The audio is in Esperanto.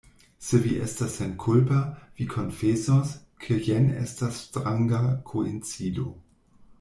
Se vi estas senkulpa, vi konfesos, ke jen estas stranga koincido.